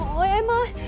trời ơi em ơi